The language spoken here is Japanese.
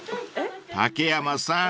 ［竹山さん